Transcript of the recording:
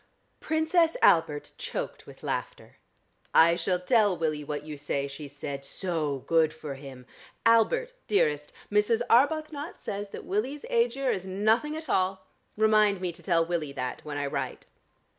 Princess Albert choked with laughter. "I shall tell Willie what you say," she said. "So good for him. Albert dearest, Mrs. Arbuthnot says that Willie's Aegir is nothing at all. Remind me to tell Willie that, when I write."